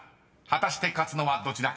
果たして勝つのはどちらか］